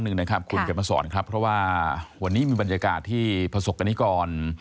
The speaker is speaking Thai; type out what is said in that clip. จากคุณกันมาสอนวันนี้มีบรรยากาศที่ผสกกรณิกร